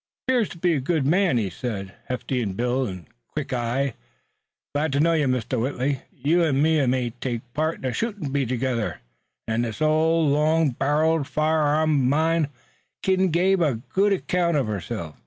"'Pears to be a good man," he said, "hefty in build an' quick in the eye. Glad to know you, Mr. Whitley. You an' me may take part in a shootin' bee together an' this old long barreled firearm uv mine kin give a good account uv herself."